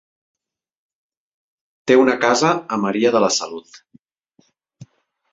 Té una casa a Maria de la Salut.